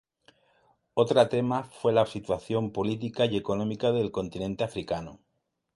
Otra tema fue la situación política y económica del continente africano.